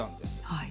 はい。